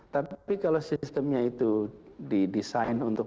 tapi kalau sistemnya itu didesain untuk